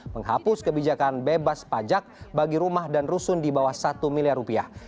menghapus kebijakan bebas pajak bagi rumah dan rusun di bawah satu miliar rupiah